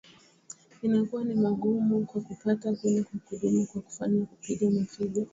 inakuwa ni magumu kwa kupata kuni kwa kudumu kwa kufanya kupiga mafija